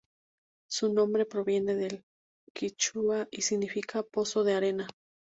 Su nombre proviene del quichua y significa "pozo de arena".